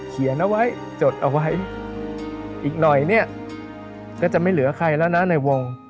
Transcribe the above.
เขียนเอาไว้จดเอาไว้อีกหน่อยเนี่ยก็จะไม่เหลือใครแล้วนะในวง